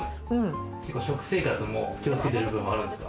食生活も気をつけてる部分はあるんですか？